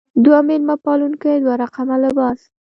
دوه مېلمه پالونکې دوه رقمه لباس.